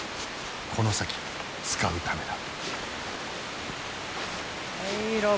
この先使うためだ。